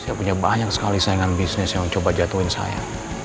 saya punya banyak sekali saingan bisnis yang coba jatuhin saya